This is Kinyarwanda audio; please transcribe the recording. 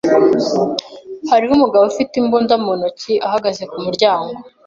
Hariho umugabo ufite imbunda mu ntoki ahagaze ku muryango.